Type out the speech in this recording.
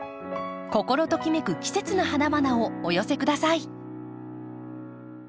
心ときめく季節の花々をお寄せください。